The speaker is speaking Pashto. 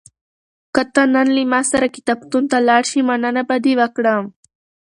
که ته نن له ما سره کتابتون ته لاړ شې، مننه به دې وکړم.